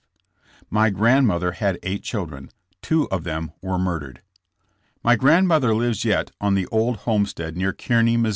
My grandmother had eight children. Two of them were murdered. My grandmother lives yet on the old homestead near Kearney, Mo.